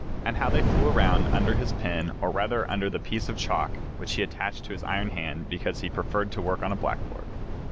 And how they flew around under his pen, or rather under the piece of chalk which he attached to his iron hand, because he preferred to work on a blackboard.